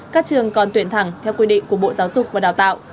các trường còn tuyển thẳng theo quy định của bộ giáo dục và đào tạo